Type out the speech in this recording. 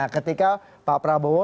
ketika pak prabowo